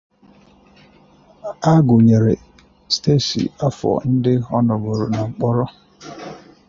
A gụnyeere Stacey afọ ndị ọ nọgooro na mkpọrọ